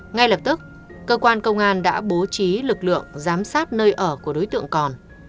ngay lập tức cơ quan công an đã bố trí lực lượng giám sát nơi ở của đối tượng còn